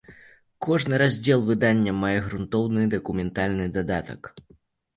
Кожны раздзел выдання мае грунтоўны дакументальны дадатак.